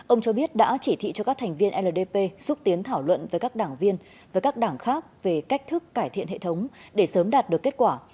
ông cho biết đã chỉ thị cho các thành viên ldp xúc tiến thảo luận với các đảng viên và các đảng khác về cách thức cải thiện hệ thống để sớm đạt được kết quả